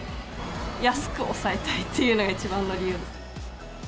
安く抑えたいというのが一番の理由です。